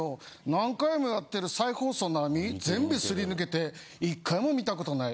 何回もやってる再放送なのに全部すり抜けて１回も見たことない。